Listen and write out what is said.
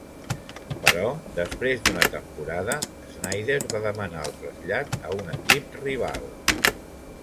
Però després d'una temporada, Snider va demanar el trasllat a un equip rival.